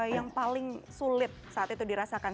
yang paling sulit saat itu dirasakan